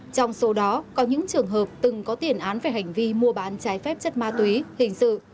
trong số đó có những trường hợp từng có tiền án về hành vi mua bán trái phép chất ma túy hình sự